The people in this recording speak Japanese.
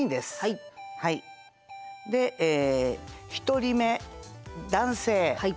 で１人目「男性」。